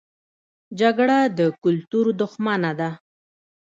جګړه د کلتور دښمنه ده